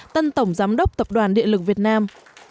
tân tổng giám đốc tập đoàn điện lực việt nam